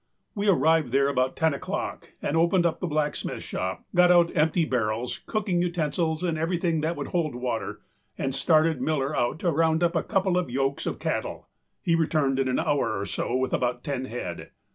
We arrived there about ten oâclock and opened up the blacksmith shop, got out empty barrels, cooking utensils, and everything that would hold water, and started Miller out to round up a couple of yokes of cattle. He returned in an hour or so with about ten head.